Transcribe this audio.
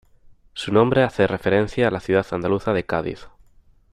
Su nombre hace referencia a la ciudad andaluza de Cádiz.